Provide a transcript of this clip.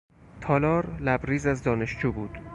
تالار لبریز از دانشجو بود.